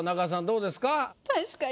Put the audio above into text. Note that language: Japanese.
どうですか？